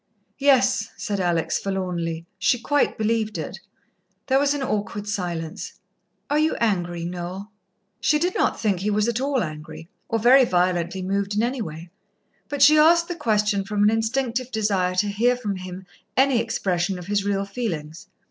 "Yes," said Alex forlornly. She quite believed it. There was an awkward silence. "Are you angry, Noel?" She did not think he was at all angry, or very violently moved in any way, but she asked the question from an instinctive desire to hear from him any expression of his real feelings.